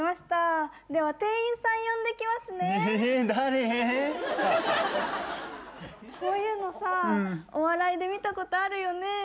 誰⁉こういうのさお笑いで見たことあるよね。